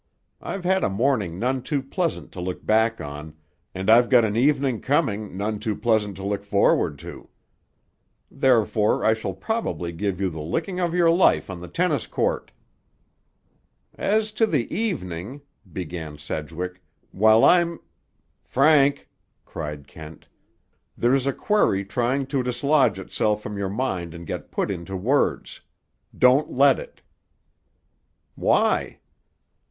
I've had a morning none too pleasant to look back on, and I've got an evening coming none too pleasant to look forward to. Therefore, I shall probably give you the licking of your life on the tennis court." "As to the evening," began Sedgwick, "while I'm—" "Frank," cried Kent, "there's a query trying to dislodge itself from your mind and get put into words. Don't let it!" "Why?"